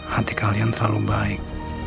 hati kalian terlalu baik